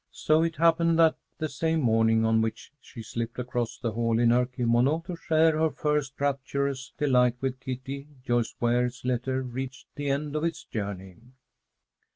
So it happened that the same morning on which she slipped across the hall in her kimono, to share her first rapturous delight with Kitty, Joyce Ware's letter reached the end of its journey.